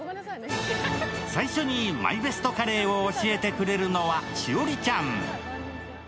最初にＭＹＢＥＳＴカレーを教えてくれるのは栞里ちゃん。